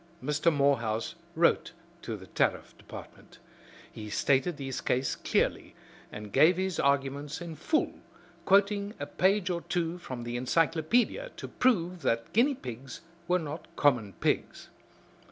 Mr. Morehouse wrote to the Tariff Department. He stated his case clearly, and gave his arguments in full, quoting a page or two from the encyclopedia to prove that guinea pigs were not common pigs.